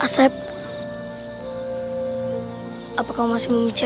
sehingga sudah tuhan pun menentukanmu